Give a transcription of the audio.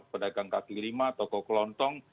pedagang kaki lima toko kelontong